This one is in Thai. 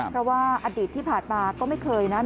เพราะว่าอดีตที่ผ่านมาก็ไม่เคยนะ